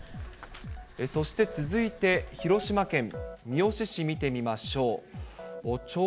そして続いて広島県三次市見てみましょう。